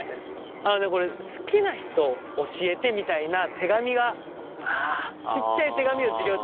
あのねこれ「好きな人教えて」みたいな手紙がちっちゃい手紙を授業中。